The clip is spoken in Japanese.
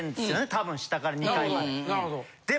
多分下から２階まで。